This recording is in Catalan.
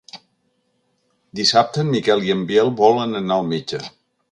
Dissabte en Miquel i en Biel volen anar al metge.